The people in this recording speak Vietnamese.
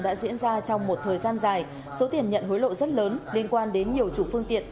đã diễn ra trong một thời gian dài số tiền nhận hối lộ rất lớn liên quan đến nhiều chủ phương tiện